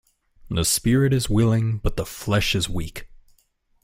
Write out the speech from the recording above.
The spirit is willing but the flesh is weak.